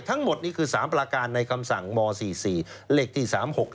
ทั้งหมดนี้คือ๓ประการในคำสั่งม๔๔เลขที่๓๖๖